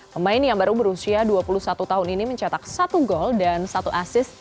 pemain yang baru berusia dua puluh satu tahun ini mencetak satu gol dan satu asis